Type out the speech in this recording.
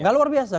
nggak luar biasa